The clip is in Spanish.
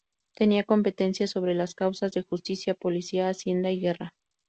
Tenía competencia sobre las causas de justicia, policía, hacienda y guerra.